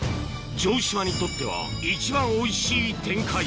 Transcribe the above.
城島にとっては一番おいしい展開